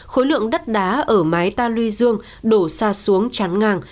khối lượng đất đá ở mái ta luy dương đổ sạt xuống chắn ngang